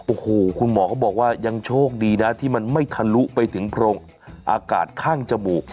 โอ้โหคุณหมอก็บอกว่ายังโชคดีนะที่มันไม่ทะลุไปถึงโพรงอากาศข้างจมูก